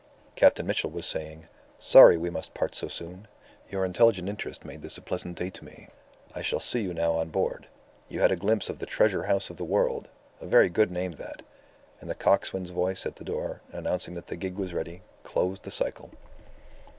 Captain Mitchell was saying, "Sorry we must part so soon. Your intelligent interest made this a pleasant day to me. I shall see you now on board. You had a glimpse of the 'Treasure House of the World.' A very good name that." And the coxswain's voice at the door, announcing that the gig was ready, closed the cycle.